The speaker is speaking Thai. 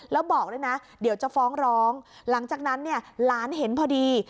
แล้วบอกด้วยนะเดี๋ยวจะฟ้องร้องหลังจากนั้นเนี่ยหลานเห็นพอดี